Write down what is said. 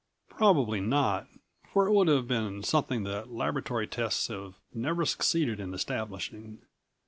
Probably not ... for it would have been something that laboratory tests have never succeeded in establishing.